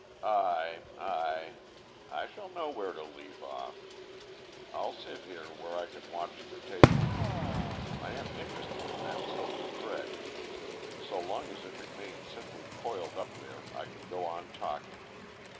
"Ay, ay, I shall know where to leave off. I'll sit here where I can watch the table. I am interested in that silk thread. So long as it remains simply coiled up there I can go on talking.